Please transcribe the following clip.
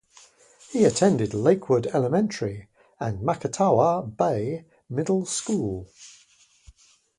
He attended Lakewood Elementary, and Macatawa Bay middle School.